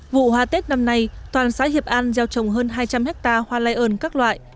vụ hoa tết năm nay toàn xã hiệp an gieo trồng hơn hai trăm linh hectare hoa lây ơn các loại